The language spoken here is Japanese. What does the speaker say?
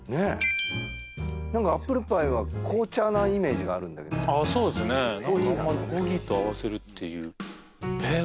何かアップルパイは紅茶なイメージがあるんだけどああそうですねあんまりコーヒーと合わせるっていうへえ